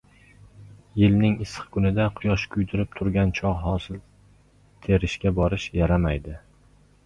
– yilning issiq kunida quyosh kuydirib turgan chog‘ hosil terishga borish yaramaydi.